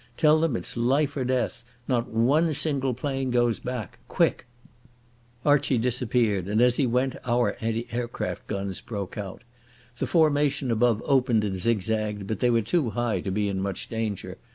Tell them it's life or death. Not one single plane goes back. Quick!" Archie disappeared, and as he went our anti aircraft guns broke out. The formation above opened and zigzagged, but they were too high to be in much danger.